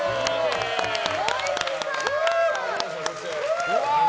おいしそう！